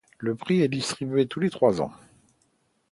Le prix est distribué tous les trois ans.